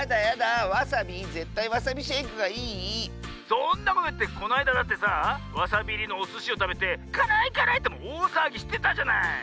そんなこといってこないだだってさあわさびいりのおすしをたべて「からいからい！」っておおさわぎしてたじゃない。